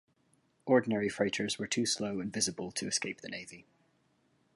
Ordinary freighters were too slow and visible to escape the Navy.